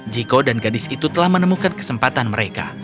jiko dan gadis itu telah menemukan kesempatan mereka